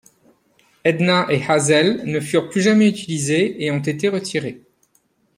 Edna et Hazel ne furent plus jamais utilisés et ont été retirés.